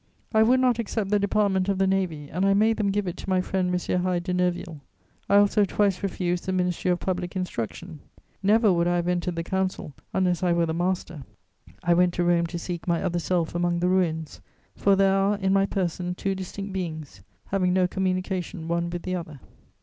I would not accept the department of the Navy and I made them give it to my friend M. Hyde de Neuville; I also twice refused the Ministry of Public Instruction; never would I have entered the Council unless I were the master. I went to Rome to seek my other self among the ruins, for there are in my person two distinct beings, having no communication one with the other.